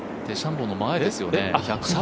デシャンボーの前ですよね